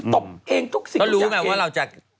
ตบเองทุกสิทธิ์ความอยากเอง